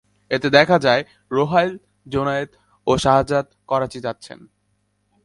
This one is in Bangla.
এতে দেখা যায়, রোহাইল, জুনায়েদ ও শাহজাদ করাচি যাচ্ছেন।